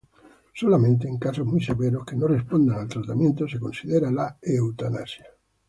Solamente en casos muy severos, que no respondan al tratamiento, se considera la eutanasia.